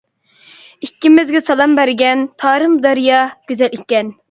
ئىككىمىزگە سالام بەرگەن، تارىم دەريا گۈزەل ئىكەن.